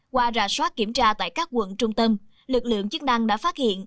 qua rà soát kiểm tra tại các quận trung tâm lực lượng chức năng đã phát hiện